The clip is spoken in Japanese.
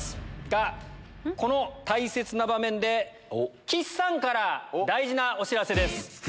がこの大切な場面で岸さんから大事なお知らせです。